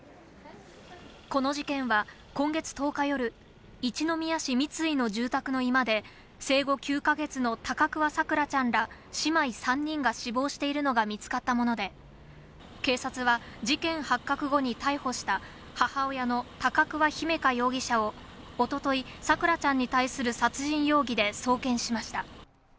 この事件は、今月１０日夜、一宮市みついの住宅の居間で、生後９か月の高桑咲桜ちゃんら、姉妹３人が死亡しているのが見つかったもので、警察は事件発覚後に、逮捕した母親の高桑姫華容疑者を、おととい、咲桜ちゃん殺害に対する殺人容疑で送検しました。